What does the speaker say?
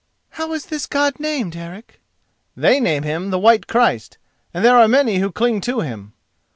"How is this God named, Eric?" "They name Him the White Christ, and there are many who cling to Him."